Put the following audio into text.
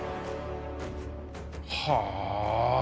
はあ。